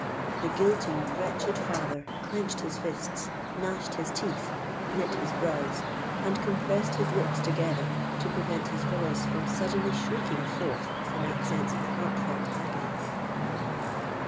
The guilty, wretched father clenched his fists—gnashed his teeth—knit his brows—and compressed his lips together to prevent his voice from suddenly shrieking forth in accents of heart felt agony.